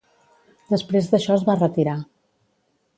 Després d'això es va retirar.